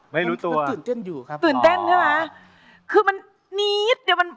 ไม่รู้ตัวก็ตื่นเต้นอยู่ครับตื่นเต้นใช่ไหมคือมันนิดเดียวมัน